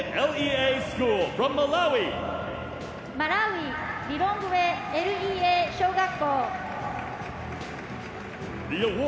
マラウイ・リロングウェＬ．Ｅ．Ａ小学校。